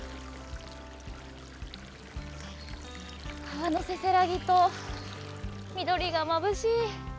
川のせせらぎと、緑がまぶしい。